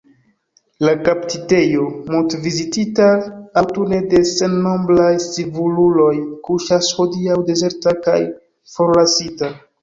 La kaptitejo, multvizitita aŭtune de sennombraj scivoluloj, kuŝas hodiaŭ dezerta kaj forlasita.